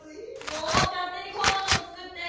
もうかっ手にこんなもの作って！